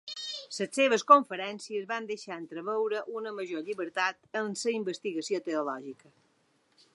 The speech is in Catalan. Les seves conferències van deixar entreveure una major llibertat en la investigació teològica.